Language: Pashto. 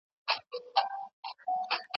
چي ستنې سوي په سېلونو وي پردېسي مرغۍ